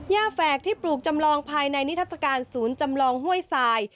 แฝกที่ปลูกจำลองภายในนิทัศกาลศูนย์จำลองห้วยทราย